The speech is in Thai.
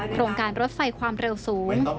โครงการรถไฟความเร็วสูง